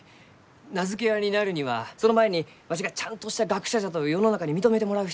名付け親になるにはその前にわしがちゃんとした学者じゃと世の中に認めてもらう必要がある。